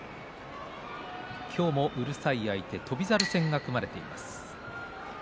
今日も、うるさい相手翔猿戦が組まれています。